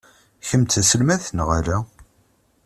Kemm d taselmadt neɣ ala?